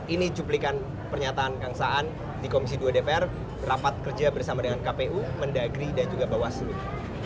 ini cuplikan pernyataan kang saan di komisi dua dpr rapat kerja bersama dengan kpu mendagri dan juga bawaslu